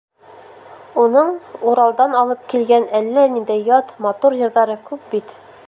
Уның Уралдан алып килгән әллә ниндәй ят, матур йырҙары күп бит.